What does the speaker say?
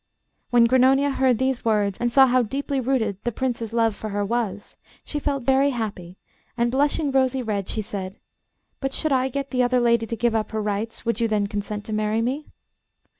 When Grannonia heard these words, and saw how deeply rooted the Prince's love for her was, she felt very happy, and blushing rosy red, she said: 'But should I get the other lady to give up her rights, would you then consent to marry me?